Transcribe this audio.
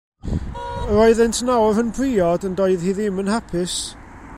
Yr oeddent nawr yn briod, ond doedd hi ddim yn hapus.